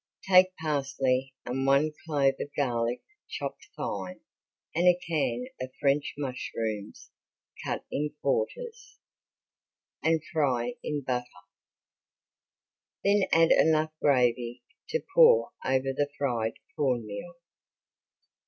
Take parsley and one clove of garlic chopped fine and a can of French mushrooms cut in quarters, and fry in butter, then add enough gravy to pour over the fried corn meal.